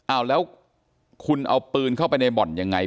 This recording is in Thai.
อ้าวแล้วคุณเอาปืนเข้าไปในบ่อนยังไง